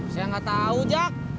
saya enggak tau jak